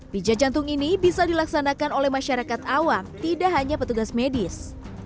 pijat jantung ini bisa dilaksanakan oleh masyarakat awam tidak hanya petugas medis